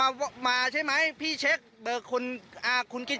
อ่ามึงมึงยังไม่รู้จักรูปุ๊กกูเลย